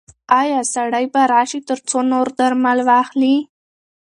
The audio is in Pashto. ایا سړی به بیرته راشي ترڅو نور درمل واخلي؟